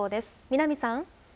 南さん。